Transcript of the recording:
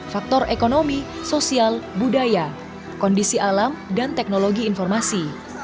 faktor ekonomi sosial budaya kondisi alam dan teknologi informasi